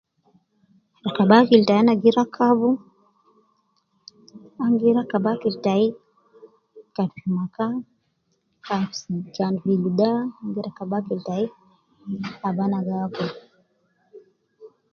Rakab akil tayi, ana gi rakab akil tayi, kan fi maka, kan fi luday, ana gi rakab akil tayi abu ana gi akul.